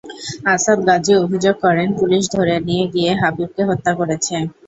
আসাদ গাজী অভিযোগ করেন, পুলিশ ধরে নিয়ে গিয়ে হাবিবকে হত্যা করেছে।